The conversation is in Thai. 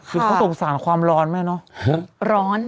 เขาสงสารความร้อนไหมเนอะ